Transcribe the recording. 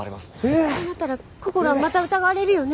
そうなったらこころはまた疑われるよね？